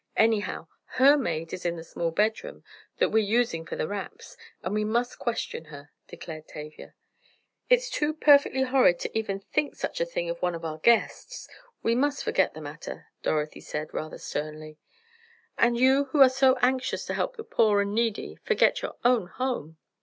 Anyhow, her maid is in the small bedroom, that we're using for the wraps, and we must question her," declared Tavia. "It's too perfectly horrid to even think such a thing of one of our guests. We must forget the matter," Dorothy said rather sternly. "And you who are so anxious to help the poor and needy, forget your own home!"